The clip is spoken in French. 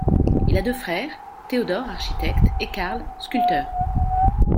Il a deux frères, Theodor, architecte, et Karl, sculpteur.